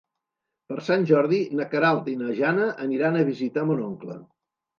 Per Sant Jordi na Queralt i na Jana aniran a visitar mon oncle.